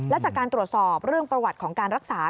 และจากการตรวจสอบเรื่องประวัติของการรักษา